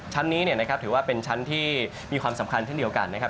ชั้นนี้ถือว่าเป็นชั้นที่มีความสำคัญเช่นเดียวกันนะครับ